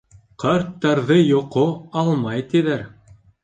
Ҡарттарҙы йоҡо, алмай тиҙәр.